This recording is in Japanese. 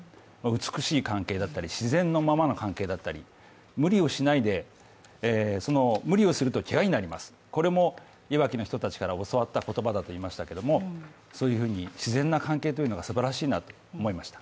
美しい関係だったり、自然のままの関係だんだり、無理をしないで、無理をするとけがになります、これもいわきの人たちから教わった言葉だと言いましたけれども、そういうふうに自然な関係というのかすばらしいなと思いました。